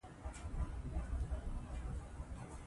د افغانستان په منظره کې بادي انرژي ښکاره ده.